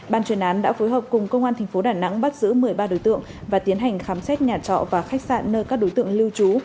ban chuyên án đã phối hợp cùng công an tp đà nẵng bắt giữ một mươi ba đối tượng và tiến hành khám xét nhà trọ và khách sạn nơi các đối tượng lưu trú